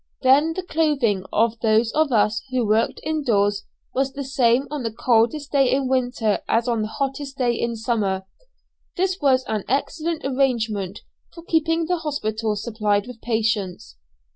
Then the clothing of those of us who worked indoors was the same on the coldest day in winter as on the hottest day in summer. This was an excellent arrangement for keeping the hospital supplied with patients.